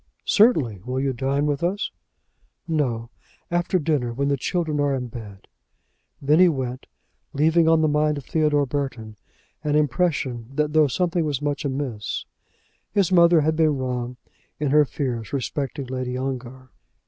"Certainly. Will you dine with us?" "No; after dinner; when the children are in bed." Then he went, leaving on the mind of Theodore Burton an impression that though something was much amiss, his mother had been wrong in her fears respecting Lady Ongar.